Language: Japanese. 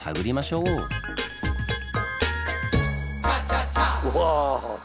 うわ。